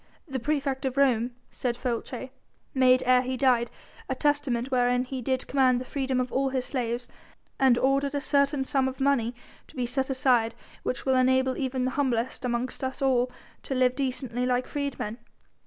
"The praefect of Rome," said Folces, "made ere he died a testament wherein he did command the freedom of all his slaves, and ordered a certain sum of money to be set aside which will enable even the humblest amongst us all to live decently like freedmen.